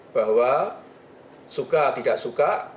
bahwa suka tidak suka